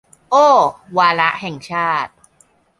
โอ้ วาระแห่งชาติ